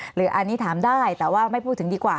หรืออันนี้ถามได้แต่ว่าไม่พูดถึงดีกว่า